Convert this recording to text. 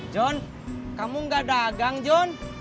john kamu gak dagang john